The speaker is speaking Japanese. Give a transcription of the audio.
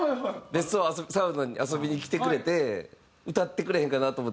別荘サウナに遊びに来てくれて歌ってくれへんかなと思って。